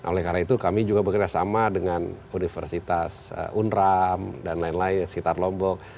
oleh karena itu kami juga bekerjasama dengan universitas unram dan lain lain sekitar lombok